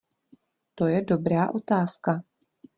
To je dobrá otázka.